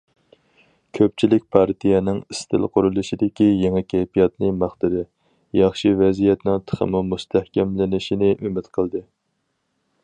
كۆپچىلىك پارتىيەنىڭ ئىستىل قۇرۇلۇشىدىكى يېڭى كەيپىياتنى ماختىدى، ياخشى ۋەزىيەتنىڭ تېخىمۇ مۇستەھكەملىنىشىنى ئۈمىد قىلدى.